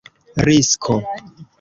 risko